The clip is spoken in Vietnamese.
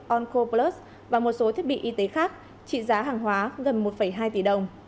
onco plus và một số thiết bị y tế khác trị giá hàng hóa gần một hai tỷ đồng